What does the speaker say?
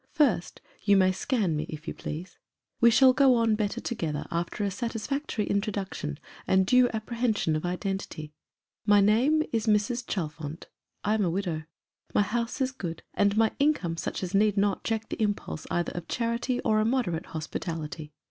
First, you may scan me, if you please. We shall go on better together after a satisfactory introduction and due apprehension of identity. My name is Mrs. Chalfont. I am a widow. My house is good, and my income such as need not check the impulse either of charity or a moderate hospitality.